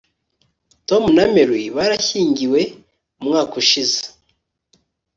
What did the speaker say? Tom na Mary barashyingiwe umwaka ushize